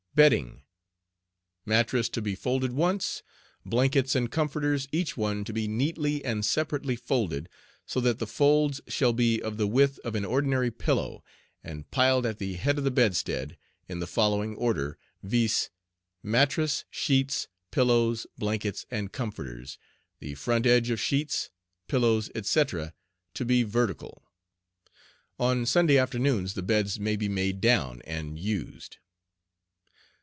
Bedding Mattress to be folded once; Blankets and Comforters, each one to be neatly and separately folded, so that the folds shall be of the width of an ordinary pillow, and piled at the head of the BEDSTEAD in the following order, viz.: MATTRESS, SHEETS, PILLOWS, BLANKETS, and COMFORTERS, the front edge of sheets, pillows, etc., to be vertical. On Sunday afternoons the BEDS may be made down and used.